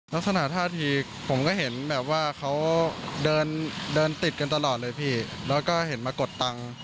ลักษณะท่าทีผมก็เห็นแบบว่าเขาเดินเดินติดกันตลอดเลยพี่แล้วก็เห็นมากดตังค์